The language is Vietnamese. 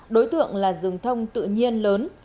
đối tượng là rừng thông tự nhiên lớn